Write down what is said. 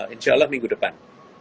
insya allah minggu depan